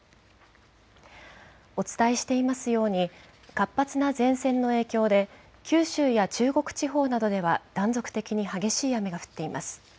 お伝えしていますように、活発な前線の影響で、九州や中国地方などでは断続的に激しい雨が降っています。